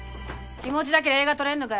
気持ちだけで映画撮れんのかよ。